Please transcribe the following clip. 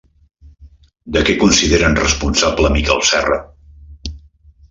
De què consideren responsable a Miquel Serra?